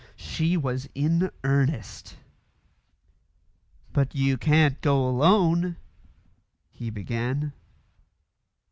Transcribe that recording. She was in earnest. "But you can't go alone " he began.